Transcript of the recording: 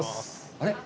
あれ？